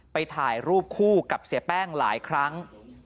ไปถ่ายรูปคู่กับเสียแป้งหลายครั้ง